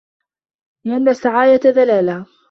لِأَنَّ السِّعَايَةَ دَلَالَةٌ